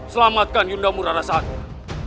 selamatkan yunda murara santal